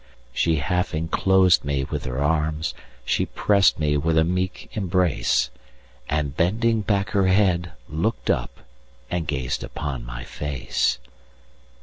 She half enclosed me with her arms, She press'd me with a meek embrace; And bending back her head, look'd up, And gazed upon my face.